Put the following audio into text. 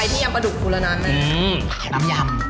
กดฉันได้มั้ย